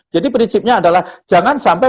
jadi prinsipnya adalah jangan sampai